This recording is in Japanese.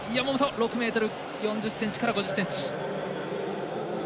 ６ｍ４０ｃｍから５０ｃｍ。